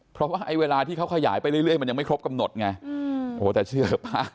เพราะว่าไอ้เวลาที่เขาขยายไปเรื่อยมันยังไม่ครบกำหนดไงโอ้แต่เชื่อมาก